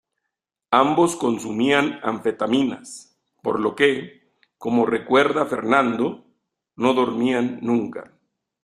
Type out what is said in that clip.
Ambos consumían anfetaminas, por lo que, como recuerda Fernando, no dormían nunca.